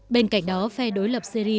bên cạnh đó phe đối lập syri